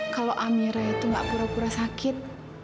kalau amirah itu gak pura pura sakit